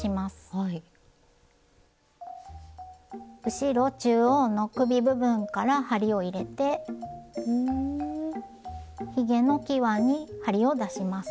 後ろ中央の首部分から針を入れてひげのきわに針を出します。